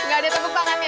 gak ada tepuk tangannya